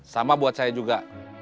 sama buat saya juga